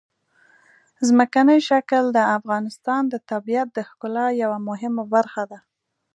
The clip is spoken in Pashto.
ځمکنی شکل د افغانستان د طبیعت د ښکلا یوه مهمه برخه ده.